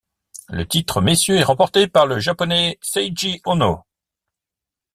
Le titre messieurs est remporté par le japonais Seiji Ono.